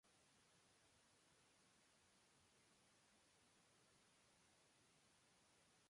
En esta misma área, en la misma zona, carece de desván.